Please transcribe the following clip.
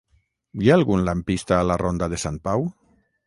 Hi ha algun lampista a la ronda de Sant Pau?